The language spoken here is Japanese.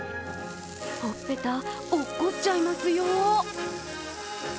ほっぺた、おっこちゃいますよ。